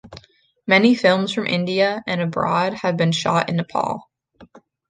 Many films from India and abroad have been shot in Nepal.